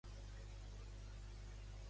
Què va exposar ahir Rajoy?